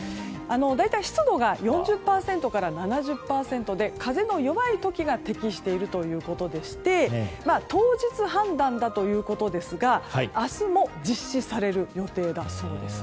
大体湿度が４０％から７０％で風の弱い時が適しているということでして当日はんだんだということですが明日も実施される予定だということです。